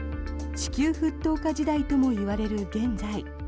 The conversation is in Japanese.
地球沸騰化時代ともいわれる現在。